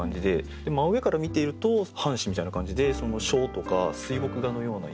で真上から見ていると半紙みたいな感じで書とか水墨画のようなイメージ。